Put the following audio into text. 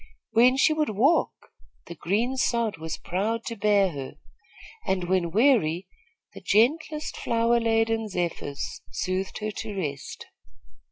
When she would walk, the green sod was proud to bear her, and, when weary, the gentlest flower laden zephyrs soothed her to rest.